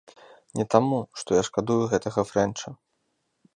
Не таму, што я шкадую гэтага фрэнча.